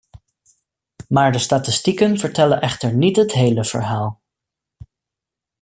Maar de statistieken vertellen echter niet het hele verhaal.